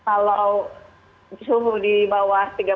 sebelum datang ke dokter gigi harus ukur suhu bcd dulu jika ternyata lebih dari